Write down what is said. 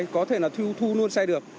có thể là thu luôn xe được